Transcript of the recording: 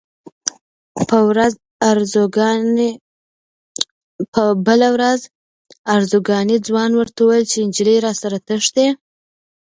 بله ورځ ارزګاني ځوان ورته وویل چې نجلۍ راسره تښتي.